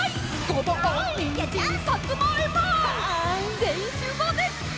「全員集合です！せの！」